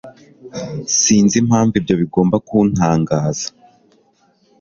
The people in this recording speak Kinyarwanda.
Sinzi impamvu ibyo bigomba kuntangaza